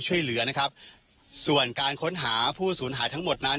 ช่วยเหลือนะครับส่วนการค้นหาผู้สูญหายทั้งหมดนั้น